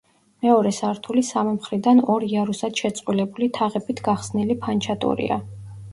მეორე სართული სამი მხრიდან ორ იარუსად შეწყვილებული თაღებით გახსნილი ფანჩატურია.